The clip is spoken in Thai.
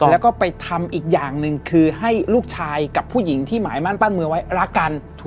แล้วก็ไปทำอีกอย่างหนึ่งคือให้ลูกชายกับผู้หญิงที่หมายมั่นปั้นมือไว้รักกัน